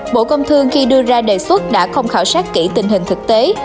bộ công thương khi đưa ra đề xuất đã không khảo sát kỹ tình hình thực tế